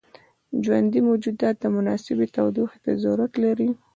ژوندي موجودات مناسبې تودوخې ته ضرورت لري.